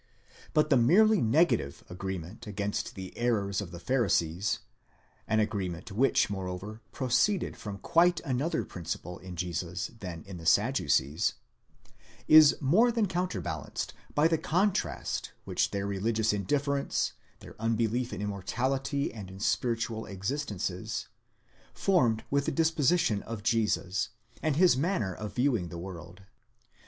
But the merely negative agreement against the errors of the Pharisees,—an agreement which, moreover, proceeded from quite another principle in Jesus than in the Saddu cees,—is more than counterbalanced by the contrast which their religious indifference, their unbelief in immortality and in spiritual existences, formed with the disposition of Jesus, and his manner of viewing the world.